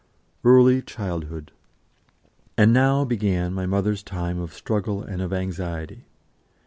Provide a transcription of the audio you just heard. EARLY CHILDHOOD. And now began my mother's time of struggle and of anxiety.